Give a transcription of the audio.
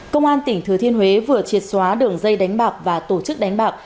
công an tỉnh thừa thiên huế vừa triệt xóa đường dây đánh bạc và tổ chức đánh bạc